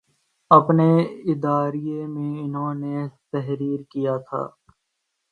اپنے اداریئے میں انہوں نے تحریر کیا تھا